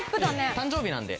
誕生日なんで。